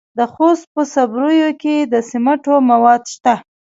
د خوست په صبریو کې د سمنټو مواد شته.